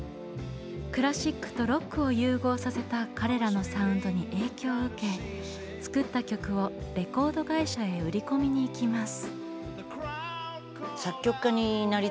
クラシックとロックを融合させた彼らのサウンドに影響を受け作った曲をレコード会社へ売り込みに行きます。